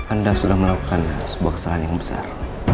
anda sudah melakukan sebuah kesalahan yang besar